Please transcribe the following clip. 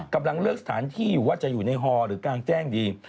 กำลังเลือกสถานที่อยู่ว่าจะอยู่ในฮอหรือกลางแจ้งดี